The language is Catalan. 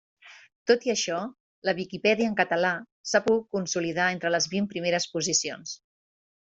Tot i això, la Viquipèdia en català s'ha pogut consolidar entre les vint primeres posicions.